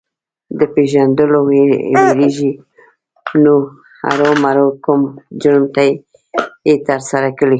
د پېژندلو وېرېږي نو ارومرو کوم جرم یې ترسره کړی.